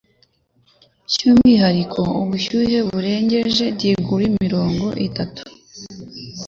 by'umwihariko ubushyuhe burengeje degre mirongo itatu